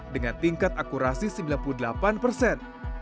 dengan tingkat akurasi sembilan puluh delapan persen